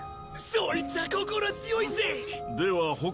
そいつは心強いぜ！